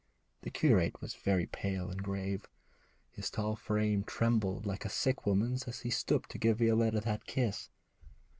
The curate was very pale and grave. His tall frame trembled like a sick woman's as he stooped to give Violetta that kiss.